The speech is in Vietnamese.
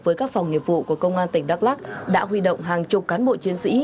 với các phòng nghiệp vụ của công an tỉnh đắk lắc đã huy động hàng chục cán bộ chiến sĩ